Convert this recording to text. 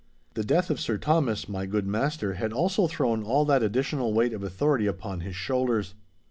The death of Sir Thomas, my good master, had also thrown all that additional weight of authority upon his shoulders.